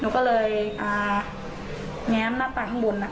หนูก็เลยเอ่อแง้มเริ่มลับไปข้างบนน่ะ